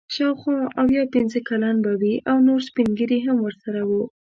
شاوخوا اویا پنځه کلن به وي او نور سپین ږیري هم ورسره وو.